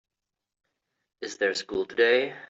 Is there school today?